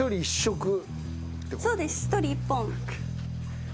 そうです１人１本。